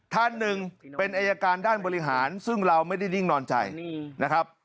ท่านหนึ่งเป็นอายการด้านบริหารซึ่งเราไม่ได้นิ่งนอนใจนะครับ